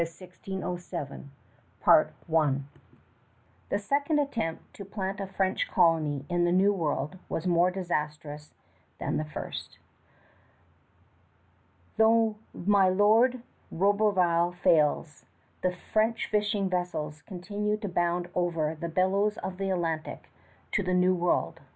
Croix The colonists in Acadia The second attempt to plant a French colony in the New World was more disastrous than the first. Though my Lord Roberval fails, the French fishing vessels continue to bound over the billows of the Atlantic to the New World.